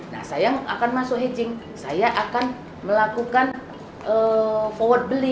nah saya akan masuk hetching saya akan melakukan forward beli